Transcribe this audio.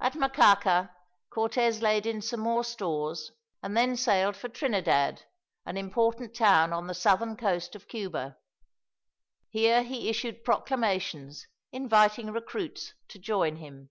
At Macaca Cortez laid in some more stores, and then sailed for Trinidad, an important town on the southern coast of Cuba. Here he issued proclamations inviting recruits to join him.